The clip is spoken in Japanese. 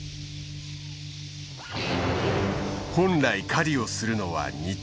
本来狩りをするのは日中。